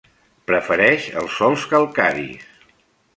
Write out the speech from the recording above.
Prefereix els sòls calcaris.